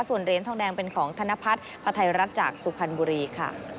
ส่วนเหรียญทองแดงเป็นของธนพัฒน์พระไทยรัฐจากสุพรรณบุรีค่ะ